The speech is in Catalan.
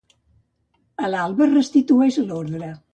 A l'alba, es restituïx l'ordre.